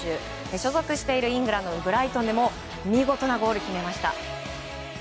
所属しているイングランドのブライトンでも見事なゴールを決めました。